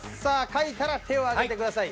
書いたら手を挙げてください。